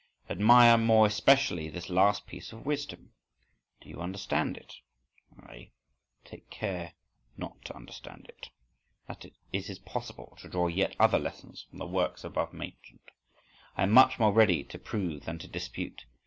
Admire, more especially this last piece of wisdom! Do you understand it? I—take good care not to understand it.… That it is possible to draw yet other lessons from the works above mentioned,—I am much more ready to prove than to dispute.